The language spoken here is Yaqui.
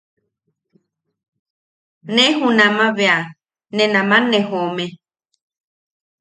Ne junama bea... ne naman ne joome.